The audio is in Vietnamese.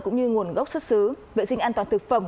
cũng như nguồn gốc xuất xứ vệ sinh an toàn thực phẩm